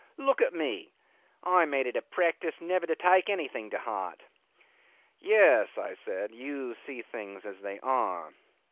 Look at me. I made it a practice never to take anything to heart." "Yes," I said, "you see things as they are."